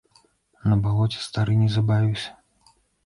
На балоце стары не забавіўся.